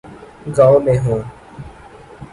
گاؤں میں ہوں۔